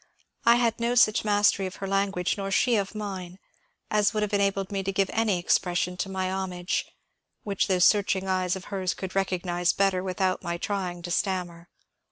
I had no such mastery of her lan guage, nor she of mine, as would have enabled me to give any expression to my homage, which those searching eyes of hers could recognize better without my trying to stammer.